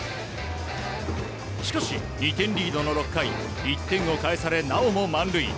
しかし２点リードの６回１点を返されなおも満塁。